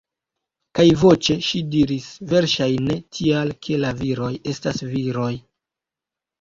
Kaj voĉe ŝi diris: -- Verŝajne tial, ke la viroj estas viroj.